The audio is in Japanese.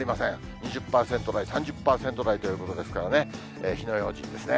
２０％台、３０％台ということですからね、火の用心ですね。